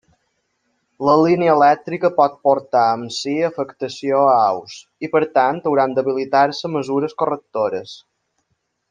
La línia elèctrica pot portar amb si afectació a aus, i per tant hauran d'habilitar-se mesures correctores.